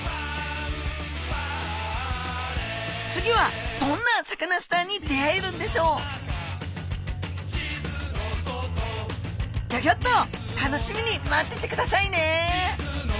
次はどんなサカナスターに出会えるんでしょうギョギョッと楽しみに待っててくださいね！